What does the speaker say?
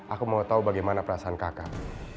aku mau tahu bagaimana perasaan kakak